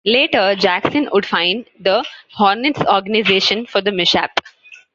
Later, Jackson would fine the Hornets organization for the mishap.